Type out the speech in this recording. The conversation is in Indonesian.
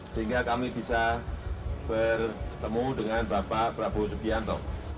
sehingga kami bisa bertemu dengan bapak prabowo subianto